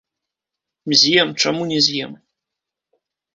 З'ем, чаму не з'ем?